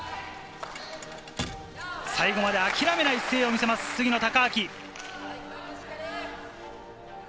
最後まで諦めない姿勢を見せます、杉野正尭。